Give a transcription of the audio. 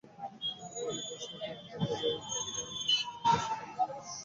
অপ্রিয় প্রশ্নে ক্ষিপ্ত হয়ে উঠে আমি যে কোনোপ্রকার অত্যাচার করব আমার সেরকম স্বভাব নয়।